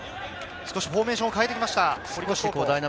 少しフォーメーションを代えて来ました、堀越高校。